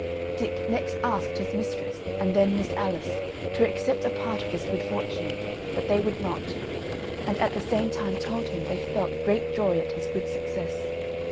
Dick next asked his mistress, and then Miss Alice, to accept a part of his good fortune; but they would not, and at the same time told him they felt great joy at his good success.